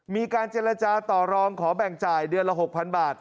มีการเจรจาต่อรองขอแบ่งจ่ายเดือนละ๖๐๐๐บาท